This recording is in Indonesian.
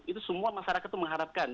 itu semua masyarakat mengharapkan